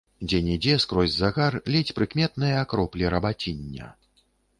Дзе-нідзе, скрозь загар, ледзь прыкметныя кроплі рабаціння.